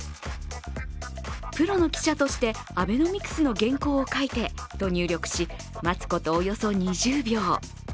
プロの記者としてアベノミクスの原稿を書いてと入力し、待つことおよそ２０秒。